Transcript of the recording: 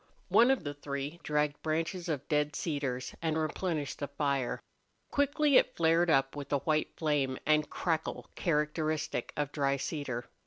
One of the three dragged branches of dead cedars and replenished the fire. Quickly it flared up, with the white flame and crackle characteristic of dry cedar.